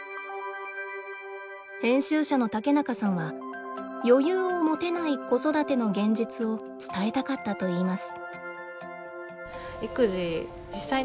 編集者の竹中さんは余裕を持てない子育ての現実を伝えたかったといいます。